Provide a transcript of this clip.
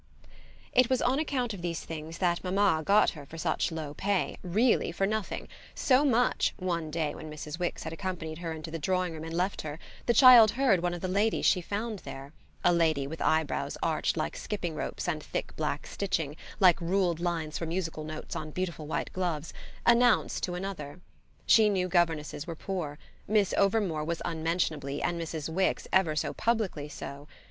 It was on account of these things that mamma got her for such low pay, really for nothing: so much, one day when Mrs. Wix had accompanied her into the drawing room and left her, the child heard one of the ladies she found there a lady with eyebrows arched like skipping ropes and thick black stitching, like ruled lines for musical notes on beautiful white gloves announce to another. She knew governesses were poor; Miss Overmore was unmentionably and Mrs. Wix ever so publicly so.